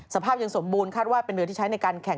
สภาพยังสมบูรณคาดว่าเป็นเรือที่ใช้ในการแข่ง